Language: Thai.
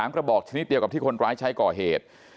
กระบอกชนิดเดียวกับที่คนร้ายใช้ก่อเหตุ